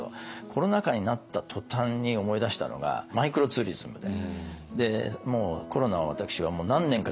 コロナ禍になった途端に思い出したのがマイクロツーリズムで。